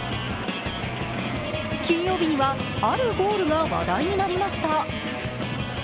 金曜日にはあるゴールが話題になりました。